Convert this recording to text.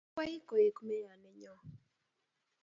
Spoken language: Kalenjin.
Kigikwey koek meya nenyo---